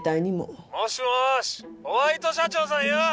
☎ピ―もしもしホワイト社長さんよ！